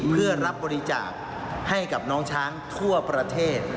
เพื่อรับบริจาคให้กับน้องช้างทั่วประเทศ